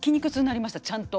ちゃんと。